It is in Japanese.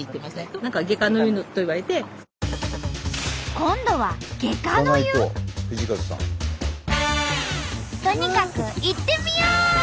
今度はとにかく行ってみよう！